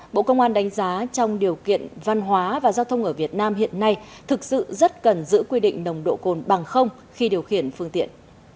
bộ công an đánh giá trong điều kiện văn hóa và giao thông ở việt nam hiện nay thực sự rất cần giữ quy định nồng độ cồn bằng không khi điều khiển phương tiện